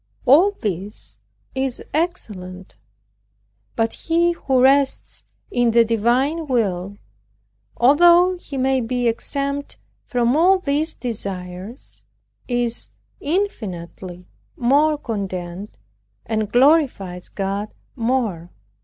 All this is excellent. But he who rests in the divine will, although he may be exempt from all these desires, is infinitely more content, and glorifies God more.